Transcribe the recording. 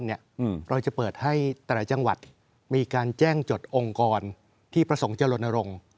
ที่แต่ละจังหวัดมีการแจ้งจดองค์กรที่ประสงค์จะลดนรงค์